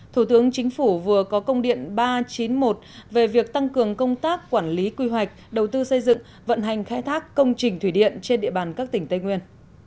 thủ tướng chính phủ vừa có công điện ba trăm chín mươi một về việc tăng cường công tác quản lý quy hoạch đầu tư xây dựng vận hành khai thác công trình thủy điện trên địa bàn các tỉnh tây nguyên